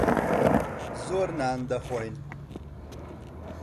زۆر نان دەخۆین.